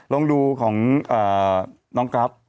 ลองดูของน้องกั๊บ